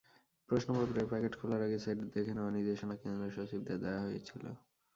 প্রশ্নপত্রের packet খোলার আগে set দেখে নেওয়ার নির্দেশনা কেন্দ্রসচিবদের দেওয়া হয়েছিল।